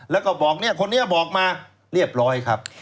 แล้วก็บอกเนี่ยคนนี้บอกมาเรียบร้อยครับ